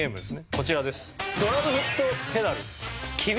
こちらです。